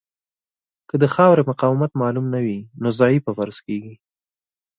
که د خاورې مقاومت معلوم نه وي نو ضعیفه فرض کیږي